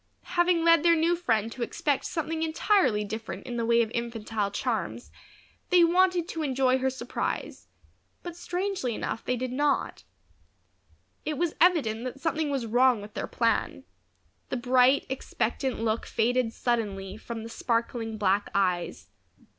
Having led their new friend to expect something entirely different in the way of infantile charms, they wanted to enjoy her surprise; but strangely enough they did not. It was evident that something was wrong with their plan. The bright, expectant look faded suddenly from the sparkling black eyes.